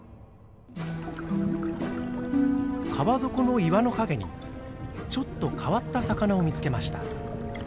川底の岩の陰にちょっと変わった魚を見つけました。